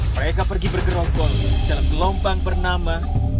mereka pergi bergerok gerok dalam gelombang bernama